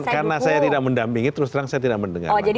karena saya tidak mendampingi terus terang saya tidak mendengar